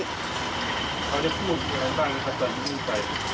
เขาได้พูดอย่างไรตั้งแต่ว่าไม่ได้พูดไป